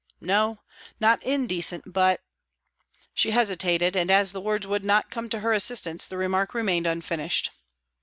" No, not indecent, but " she hesitated and, as the words would not come to her assistance, the remark remained unfinished.